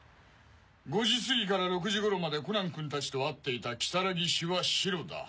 ５時すぎから６時頃までコナンくんたちと会っていた如月はシロだ。